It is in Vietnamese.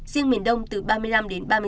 riêng miền đông từ ba mươi năm đến